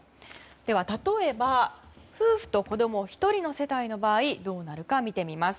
では、例えば夫婦と子供１人の世帯の場合どうなるか見てみます。